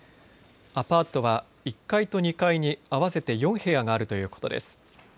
アパートは１階と２階に合わせて４部屋があるということです。